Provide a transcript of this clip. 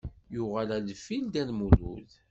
Yuɣal ar deffir Dda Lmulud.